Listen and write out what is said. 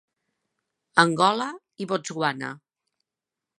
Angola i Botswana.